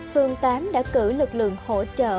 phương tám đã cử lực lượng hỗ trợ